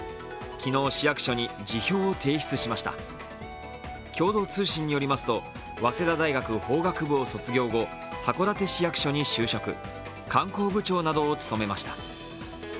昨日、市役所に辞表を提出しました共同通信によりますと早稲田大学法学部を卒業後函館市役所に就職、観光部長などを務めました。